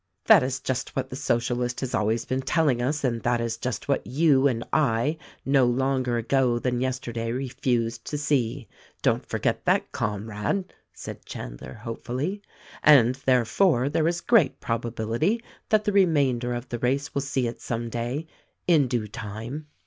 "That is just what the Socialist has always been telling us, and that is just what you and I, no longer ago than yesterdav refused to see — don't forget that, Comrade !" said Chandler hopefully, "and therefore there is great probability that the remainder of the race will see it some day, in due time."